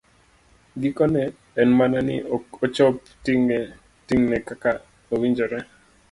Gikone, en mana ni ok ochopo ting'ne kaka owinjore.